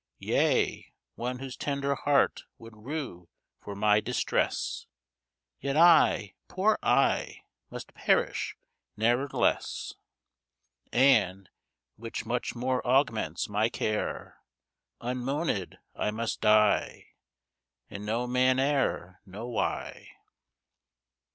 Yea, one whose tender heart would rue for my distress; Yet I, poor I! must perish ne'ertheless. And (which much more augments my care) Unmoanèd I must die, And no man e'er Know why.